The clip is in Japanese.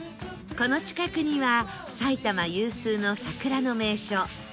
この近くには埼玉有数の桜の名所